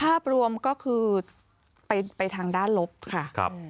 ภาพรวมก็คือไปทางด้านลบค่ะ